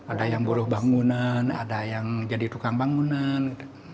ada yang buruh bangunan ada yang jadi tukang bangunan